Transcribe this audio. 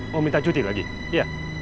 mau minta cuti lagi ya